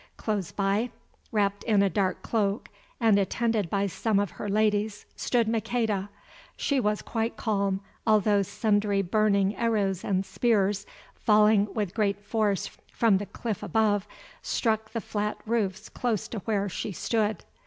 Close by, wrapped in a dark cloak, and attended by some of her ladies, stood Maqueda. She was quite calm, although sundry burning arrows and spears, falling with great force from the cliff above, struck the flat roofs close to where she stood.